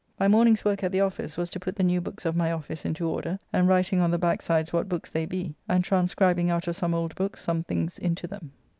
My morning's work at the office was to put the new books of my office into order, and writing on the backsides what books they be, and transcribing out of some old books some things into them.